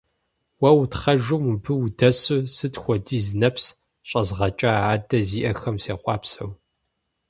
Уэ утхъэжу мыбы удэсу, сыт хуэдиз нэпс щӀэзгъэкӀа адэ зиӀэхэм сехъуапсэу.